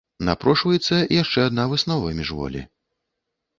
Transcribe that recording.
Напрошваецца яшчэ адна выснова міжволі.